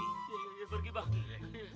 iya pergi bang